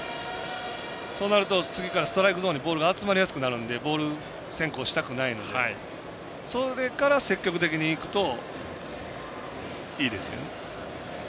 そうなると次からストライクゾーンにボールが集まりやすくなるのでそれから積極的にいくといいですよね。